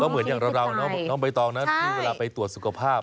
เหมือนอย่างเราน้องใบตองนะที่เวลาไปตรวจสุขภาพ